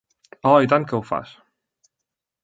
Oh, i tant que ho fas!